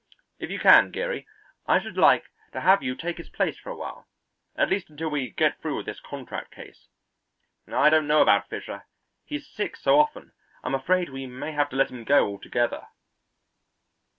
If you can, Geary, I should like to have you take his place for a while, at least until we get through with this contract case. I don't know about Fischer. He's sick so often, I'm afraid we may have to let him go altogether."